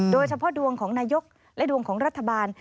โดยเฉพาะดวงของนายกและดวงของรัฐบาล